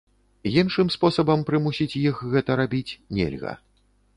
Іншым спосабам прымусіць іх гэта рабіць нельга.